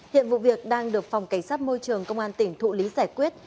hiện vụ việc đang được phòng cảnh sát môi trường công an tỉnh thụ lý giải quyết